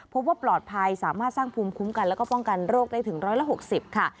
พบว่าปลอดภัยสามารถสร้างภูมิคุ้มกันแล้วก็ป้องกันโรคได้ถึง๑๖๐ค่ะ